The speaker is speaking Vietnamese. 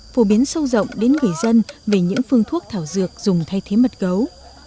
phổ biến sâu rộng đến người dân về những phương thuốc thảo dược dùng thay thế mật gấu